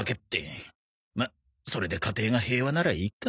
まあそれで家庭が平和ならいいか。